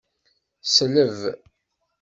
Sleb.